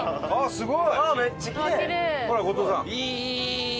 すごい！